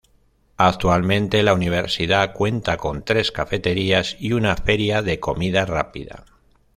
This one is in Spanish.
Actualmente, la universidad cuenta con tres cafeterías y una feria de comida rápida.